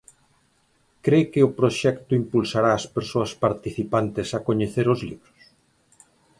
Cre que o proxecto impulsará as persoas participantes a coñecer os libros?